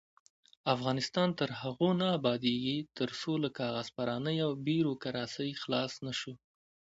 افغانستان تر هغو نه ابادیږي، ترڅو له کاغذ پرانۍ او بیروکراسۍ خلاص نشو.